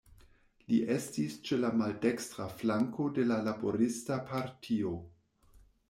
Li estis ĉe la maldekstra flanko de la Laborista Partio.